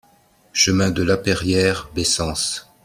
Chemin de Lapeyriere, Bessens